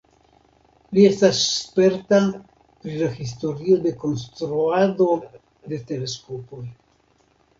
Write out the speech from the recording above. Li estas sperta pri la historio de konstruado de teleskopoj.